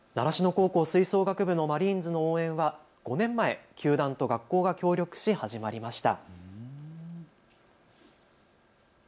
習志野高校吹奏楽部のマリーンズの応援は５年前、球団と学校が協力し始まりました。